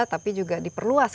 tapi juga diperluas